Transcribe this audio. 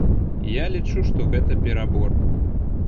Я лічу, што гэта перабор.